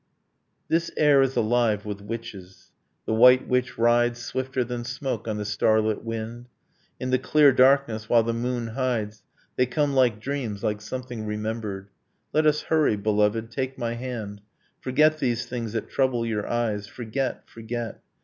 This air is alive with witches: the white witch rides Swifter than smoke on the starlit wind. In the clear darkness, while the moon hides, They come like dreams, like something remembered .. Let us hurry! beloved; take my hand, Forget these things that trouble your eyes, Forget, forget!